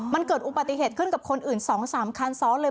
มันเกิดอุบัติเหตุขึ้นกับคนอื่น๒๓คันซ้อนเลย